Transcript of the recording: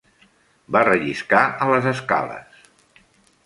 Va relliscar a les escales.